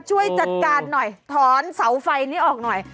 ช่วยจัดการหน่อยถอนเสาไฟนี้ออกหน่อย